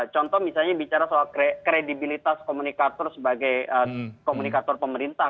contoh misalnya bicara soal kredibilitas komunikator sebagai komunikator pemerintah